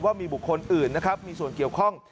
ว่ามีบุคคลอื่นนะครับมีส่วนเกี่ยวข้อง